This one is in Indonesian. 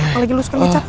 apalagi lu suka nyacak